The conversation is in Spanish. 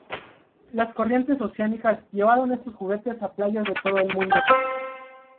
Las corrientes oceánicas llevaron estos juguetes a playas de todo el mundo.